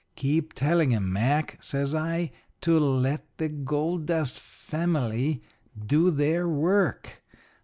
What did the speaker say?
Keep telling 'em, Mac,' says I, 'to let the gold dust family do their work.